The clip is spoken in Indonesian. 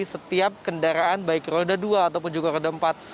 setiap kendaraan baik roda dua ataupun juga roda empat